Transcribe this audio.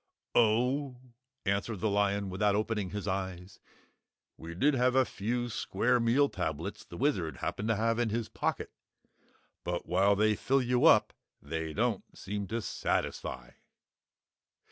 "Oh," answered the lion without opening his eyes, "we did have a few square meal tablets the Wizard happened to have in his pocket. But, while they fill you up, they don't seem to satisfy."